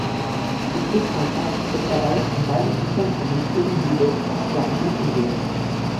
Die Flusslandschaft wird dabei an beiden Ufern von niedrigen Hügeln aus Laterit umgeben.